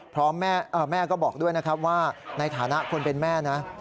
แม่ก็บอกด้วยนะครับว่าในฐานะคนเป็นแม่นะ